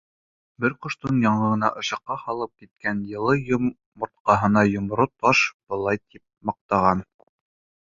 Бер ҡоштоң яңы ғына ышыҡҡа һалып киткән йылы йомортҡаһына йомро таш былай тип маҡтанған: